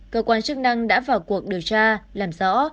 cơ quan chức năng đã vào cuộc điều tra làm rõ